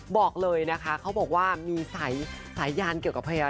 บอกเลยนะคะเขาบอกว่ามีสายยานเกี่ยวกับพญา